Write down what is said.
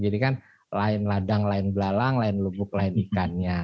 jadi kan lain ladang lain belalang lain lubuk lain ikannya